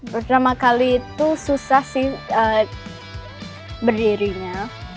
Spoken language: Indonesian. pertama kali itu susah sih berdirinya